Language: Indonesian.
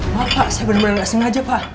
maaf pak saya bener bener gak sengaja pak